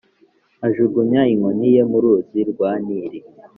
Ajugunya inkoni ye mu ruzi rwa Nili